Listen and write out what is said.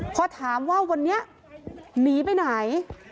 พอถามว่าวันนี้หนีไปไหน